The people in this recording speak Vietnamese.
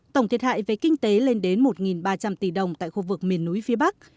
tổng thiệt hại về kinh tế lên đến một ba trăm linh tỷ đồng tại khu vực miền núi phía bắc